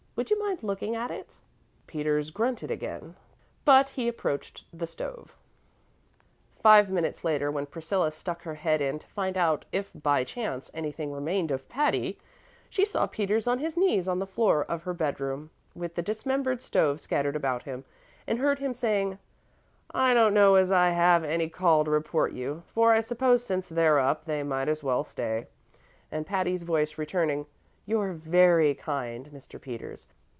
Would you mind looking at it?" Peters grunted again; but he approached the stove. Five minutes later, when Priscilla stuck her head in to find out if, by chance, anything remained of Patty, she saw Peters on his knees on the floor of her bedroom, with the dismembered stove scattered about him, and heard him saying, "I don't know as I have any call to report you, for I s'pose, since they're up, they might as well stay"; and Patty's voice returning: "You're very kind, Mr. Peters.